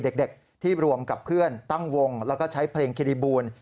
เด็กที่รวมกับเพื่อนตั้งวงแล้วก็ใช้เพลงคิริบูล